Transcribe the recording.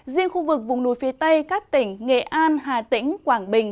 riêng khu vực vùng núi phía tây các tỉnh nghệ an hà tĩnh quảng bình